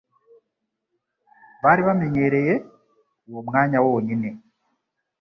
bari bamenyereye? Uwo mwanya wonyine